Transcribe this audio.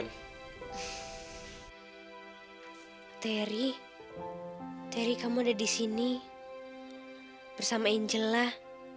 hai ter teri kamu ada di sini bersama angel lah